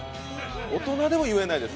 大人でも言えないです。